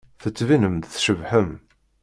Tettbinem-d tcebḥem.